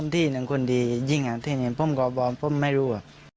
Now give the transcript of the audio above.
ที่นี่ผมก็ไม่รู้